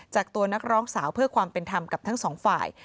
จากตัวนักร้องสาวเพื่อความเป็นธรรมกับทั้งสองฝ่าย